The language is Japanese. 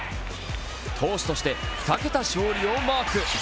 投手として２桁勝利をマーク。